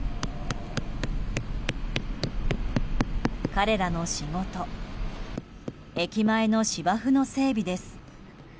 彼らの仕事駅前の芝生の整備です。